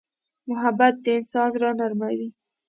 محبت د انسان زړه نرموي.